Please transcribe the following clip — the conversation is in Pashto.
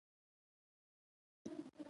عصري تعلیم مهم دی ځکه چې د مور مړینه کموي.